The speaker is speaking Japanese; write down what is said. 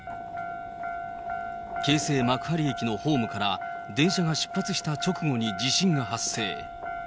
京成幕張駅のホームから電車が出発した直後に地震が発生。